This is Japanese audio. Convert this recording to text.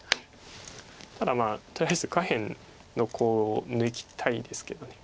ただとりあえず下辺のコウを抜きたいですけど。